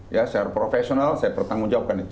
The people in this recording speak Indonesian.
ya secara profesional saya bertanggung jawabkan itu